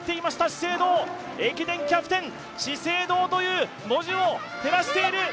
資生堂駅伝キャプテン、資生堂という文字を照らしている。